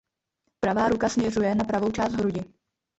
Pravá ruka směřuje na pravou část hrudi.